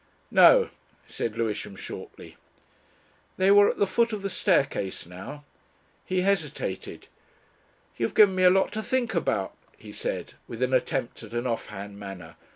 "No," said Lewisham shortly. They were at the foot of the staircase now. He hesitated. "You've given me a lot to think about," he said with an attempt at an off hand manner.